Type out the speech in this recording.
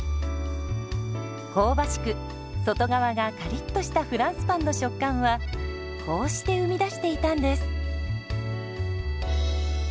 香ばしく外側がカリッとしたフランスパンの食感はこうして生み出していたんです。